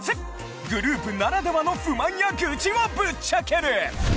グループならではの不満やグチをぶっちゃける！